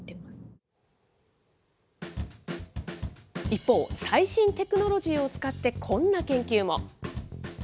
一方、最新テクノロジーを使って、こんな研究も。